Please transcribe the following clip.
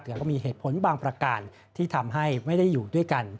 แต่ก็มีเหตุผลบางประการที่ทำให้ไม่ได้อยู่ด้วยกัน